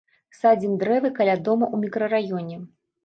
Садзім дрэвы каля дома ў мікрараёне.